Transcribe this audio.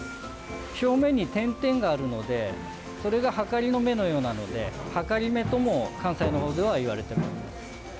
表面に点々があるのでそれがはかりの目のようではかりめとも関西の方では呼ばれています。